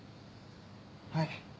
はい。